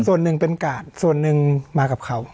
ส่วนหนึ่งเป็นกาดส่วนหนึ่งมากับเขา